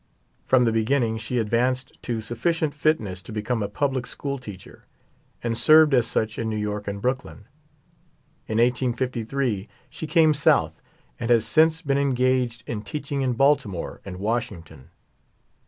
From the beginning she advanced to sufficient fitness to become a public school teacher, and served as such in New York and Brooklyn. In 1853 she came South, and has since been engaged in teaching in Baltimore and Washington.